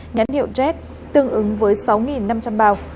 nhãn hiệu jet tương ứng với sáu năm trăm linh bao